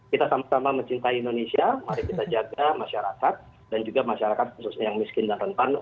kita sama sama mencintai indonesia mari kita jaga masyarakat dan juga masyarakat khususnya yang miskin dan rentan